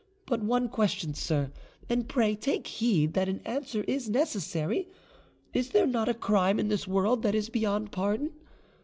But one question, sir, and pray take heed that an answer is necessary. Is there not crime in this world that is beyond pardon?